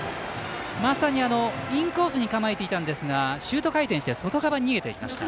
まさにインコースに構えていたんですがシュート回転して外側に逃げていきました。